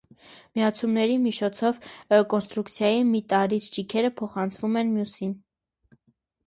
Միացումների միշոցով կոնստրուկցիայի մի տարրից ճիգերը փոխանցվում են մյուսին։